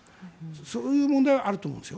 そういう問題はあると思います。